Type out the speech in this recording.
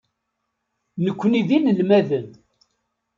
Nekkni d inelmaden.